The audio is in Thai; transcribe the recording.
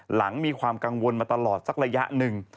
มีความกังวลมาตลอดสักระยะหนึ่ง